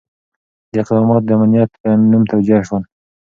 دا اقدامات د امنیت په نوم توجیه شول.